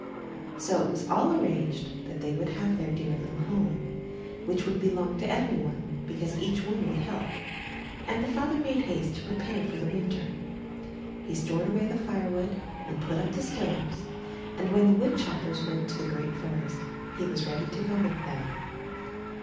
So it was all arranged that they would have their dear little home, which would belong to every one, because each one would help; and the father made haste to prepare for the Winter. He stored away the firewood and put up the stoves; and when the wood choppers went to the great forest, he was ready to go with them.